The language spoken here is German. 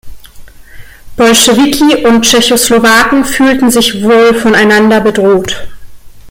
Bolschewiki und Tschechoslowaken fühlten sich wohl voneinander bedroht.